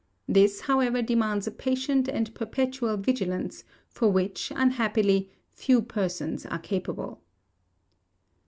This, however, demands a patient and perpetual vigilance, of which, unhappily, few persons are capable.